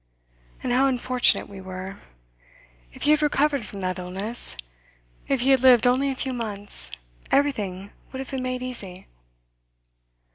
'And how unfortunate we were! If he had recovered from that illness, if he had lived only a few months, everything would have been made easy.